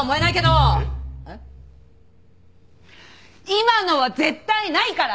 今のは絶対ないから！